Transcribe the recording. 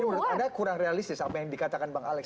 jadi menurut anda kurang realistis apa yang dikatakan bang alex